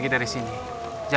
dia jadi gila